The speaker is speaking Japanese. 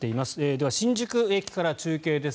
では新宿駅から中継です。